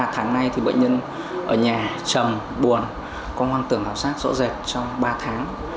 ba tháng nay thì bệnh nhân ở nhà trầm buồn có hoang tưởng ảo giác rõ rệt trong ba tháng